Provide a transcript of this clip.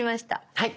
はい。